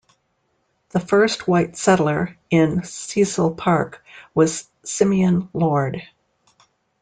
The first white settler in Cecil Park was Simeon Lord.